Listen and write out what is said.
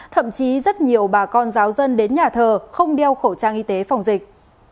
thậm chí rất nhiều bà con giáo dân đến nhà thờ không đeo khẩu trang y tế phòng dịch